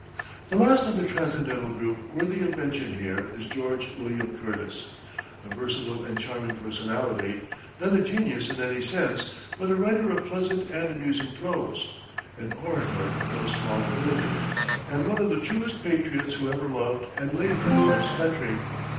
The last of the Transcendental group worthy of mention here is George William Curtis, a versatile and charming personality, not a genius in any sense, but a writer of pleasant and amusing prose, an orator of no small ability, and one of the truest patriots who ever loved and labored for his country.